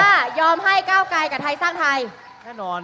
แต่ว่ายอมให้เก้าไก่กับไทยสร้างไทย